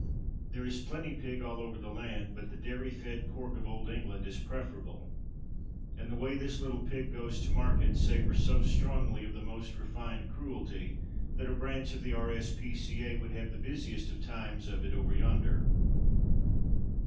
There is "plenty pig" all over the land; but the dairy fed pork of old England is preferable. And the way "this little pig goes to market" savours so strongly of the most refined cruelty that a branch of the R.S.P.C.A. would have the busiest of times of it over yonder.